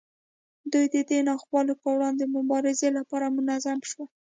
دوی د دې ناخوالو پر وړاندې مبارزې لپاره منظم شول.